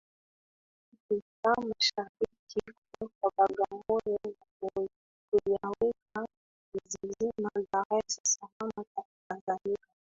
Afrika Mashariki Kutoka Bagamoyo na kuyaweka mzizima Dar es Salaam tanganyika